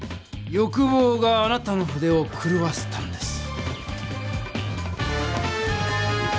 よくぼうがあなたの筆をくるわせたんです！